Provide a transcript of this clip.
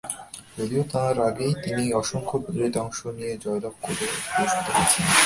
যদিও তার আগেই তিনি অসংখ্য প্রতিযোগিতায় অংশ নিয়ে জয়লাভ করে পুরস্কৃত হয়েছেন।